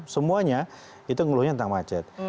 semuanya itu ngeluhnya tentang macet